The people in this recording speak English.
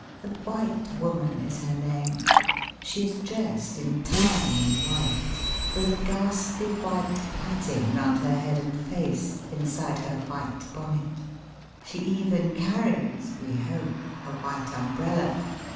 The White Woman is her name. She is dressed entirely in white, with a ghastly white plaiting round her head and face, inside her white bonnet. She even carries (we hope) a white umbrella.